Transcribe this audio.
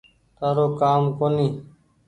تآرو ڪآم ڪونيٚ